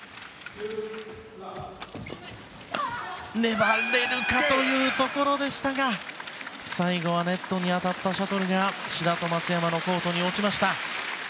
粘れるかというところでしたが最後はネットに当たったシャトルが志田と松山のコートに落ちた。